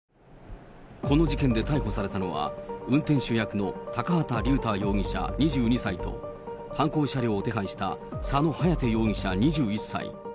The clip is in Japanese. この事件で逮捕されたのは、運転手役の高畑竜太容疑者２２歳と、犯行車両を手配した佐野颯容疑者２１歳。